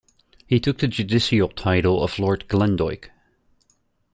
He took the judicial title of Lord Glendoick.